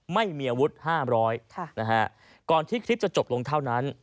ไม่มีอาวุธ๕๐๐ก่อนที่คลิปจะจบลงเท่านั้น